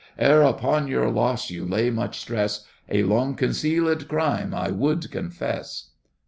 Ere upon your loss You lay much stress, A long concealed crime I would confess.